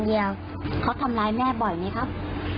เมียเขาทำร้ายแม่บ่อยไหมครับ